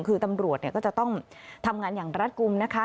คือตำรวจก็จะต้องทำงานอย่างรัฐกลุ่มนะคะ